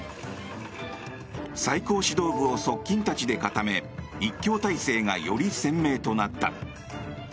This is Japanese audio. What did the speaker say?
最高指導部を側近たちで固め一強体制がより鮮明となった。